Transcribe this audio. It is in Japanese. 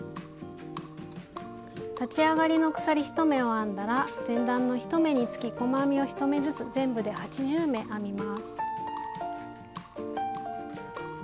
立ち上がりの鎖１目を編んだら前段の１目につき細編みを１目ずつ全部で８０目編みます。